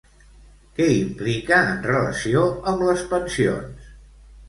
Què implica en relació amb les pensions?